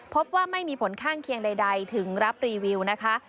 พบว่าไม่มีผลข้างเคียงใดถึงรับรีวิวนะคะ